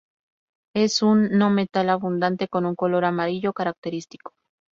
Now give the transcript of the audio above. Es un no metal abundante con un color amarillo característico.